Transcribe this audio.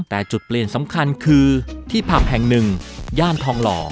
แต่จุดเปลี่ยนสำคัญคือที่ผับแห่งหนึ่งย่านทองหล่อ